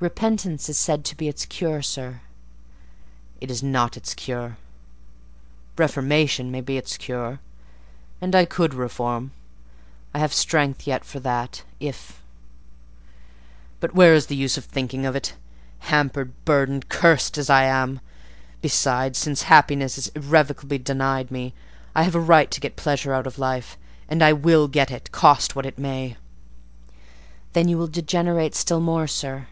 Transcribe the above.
"Repentance is said to be its cure, sir." "It is not its cure. Reformation may be its cure; and I could reform—I have strength yet for that—if—but where is the use of thinking of it, hampered, burdened, cursed as I am? Besides, since happiness is irrevocably denied me, I have a right to get pleasure out of life: and I will get it, cost what it may." "Then you will degenerate still more, sir."